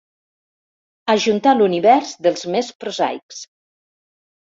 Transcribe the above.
Ajuntà l'univers dels més prosaics.